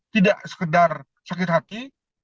tidak sekedar sakit hati